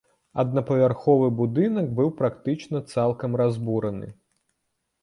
Аднапавярховы будынак быў практычна цалкам разбураны.